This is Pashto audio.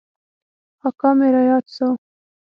اکا مې راياد سو.